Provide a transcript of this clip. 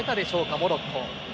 モロッコ。